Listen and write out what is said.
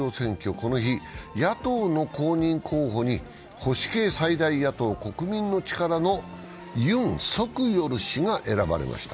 この日、野党の公認候補に保守系最大野党、国民の力のユン・ソクヨル氏が選ばれました。